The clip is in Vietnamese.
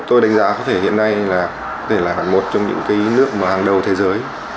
tôi đánh giá có thể hiện nay là có thể là một trong những cái nước hàng đầu thế giới